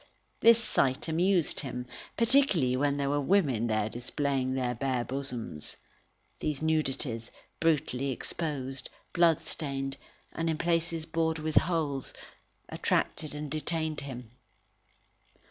This sight amused him, particularly when there were women there displaying their bare bosoms. These nudities, brutally exposed, bloodstained, and in places bored with holes, attracted and detained him.